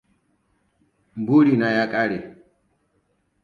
Burina ya ƙare.